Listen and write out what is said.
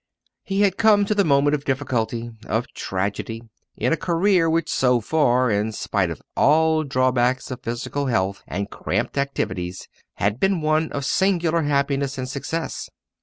He had come to the moment of difficulty, of tragedy, in a career which so far, in spite of all drawbacks of physical health and cramped activities, had been one of singular happiness and success.